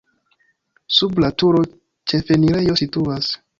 Sub la turo ĉefenirejo situas.